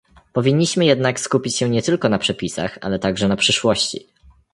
Powinniśmy jednak skupić się nie tylko na przepisach, ale także na przyszłości